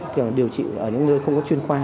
thường điều trị ở những nơi không có chuyên khoa